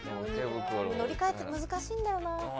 乗り換えが難しいんだよな。